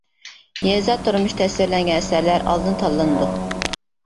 يېزا تۇرمۇشى تەسۋىرلەنگەن ئەسەرلەر ئالدىن تاللىنىدۇ.